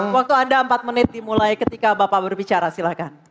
waktu anda empat menit dimulai ketika bapak berbicara silahkan